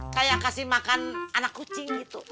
kayak kasih makan anak kucing gitu